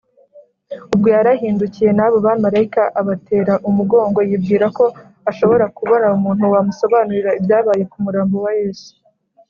ubwo yarahindukiye, n’abo bamarayika abatera umugongo, yibwira ko ashobora kubona umuntu wamusobanurira ibyabaye ku murambo wa yesu